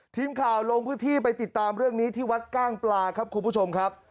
ทีมข่าวลงพื้นที่ไปติดตามเรื่องนี้ที่วัดกล้างปลาครับคุณผู้ชมครับ